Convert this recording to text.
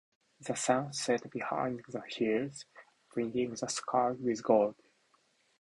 The sun set behind the hills, painting the sky with gold.